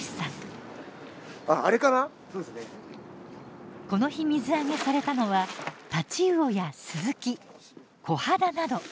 この日水揚げされたのはタチウオやスズキコハダなど。